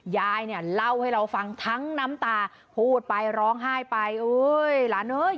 ยายเนี่ยเล่าให้เราฟังทั้งน้ำตาพูดไปร้องไห้ไปเอ้ยหลานเอ้ย